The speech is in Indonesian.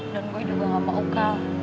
dan gue juga gak mau kak